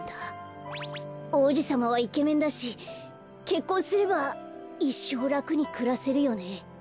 おうじさまはイケメンだしけっこんすればいっしょうらくにくらせるよね。